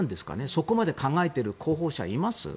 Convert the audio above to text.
そこまで考えている候補者っていますか？